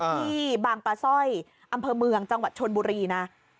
ที่บางปลาสร้อยอำเภอเมืองจังหวัดชนบุรีนะ